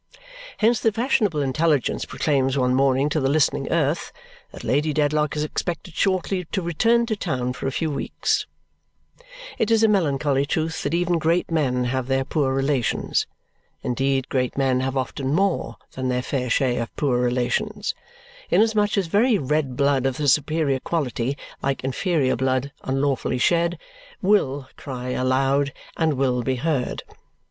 Hence the fashionable intelligence proclaims one morning to the listening earth that Lady Dedlock is expected shortly to return to town for a few weeks. It is a melancholy truth that even great men have their poor relations. Indeed great men have often more than their fair share of poor relations, inasmuch as very red blood of the superior quality, like inferior blood unlawfully shed, WILL cry aloud and WILL be heard.